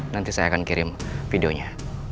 nanti saya akan kirim videonya